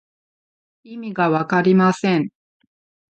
意味がわかりません。